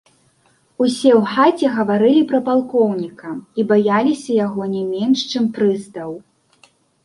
Усе ў хаце гаварылі пра палкоўніка і баяліся яго не менш, чым прыстаў.